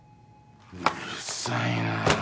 うるっさいな。